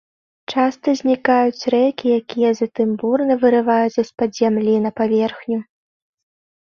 Часта знікаюць рэкі, якія затым бурна вырываюцца з-пад зямлі на паверхню.